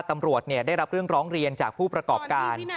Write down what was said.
ตำรวจได้รับเรื่องร้องเรียนจากผู้ประกอบการ